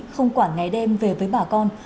không quản ngày đêm về với bà con